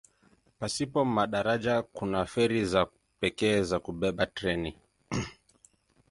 Pasipo madaraja kuna feri za pekee za kubeba treni.